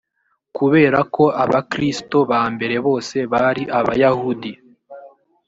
kubera ko abakristo ba mbere bose bari abayahudi